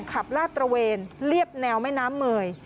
ลาดตระเวนเรียบแนวแม่น้ำเมย